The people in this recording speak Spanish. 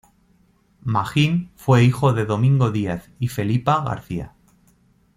Magín fue hijo de Domingo Díaz y Felipa García.